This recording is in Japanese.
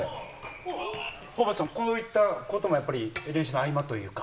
ホーバスさん、こういったこともやっぱり、練習の合間というか。